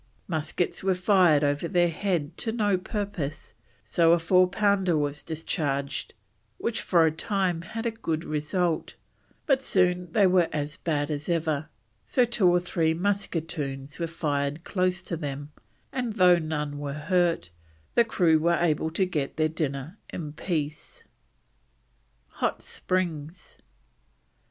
Muskets were fired over their head to no purpose, so a four pounder was discharged, which for a time had a good result; but soon they were as bad as ever, so two or three musquetoons were fired close to them, and though none were hurt, the crew were able to get their dinner in peace. HOT SPRINGS.